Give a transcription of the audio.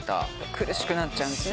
苦しくなっちゃうんですね。